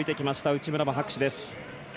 内村も拍手です。